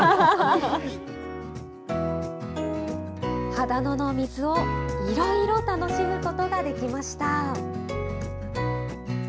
秦野の水をいろいろ楽しむことができました。